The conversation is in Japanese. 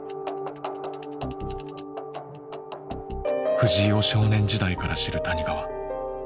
藤井を少年時代から知る谷川。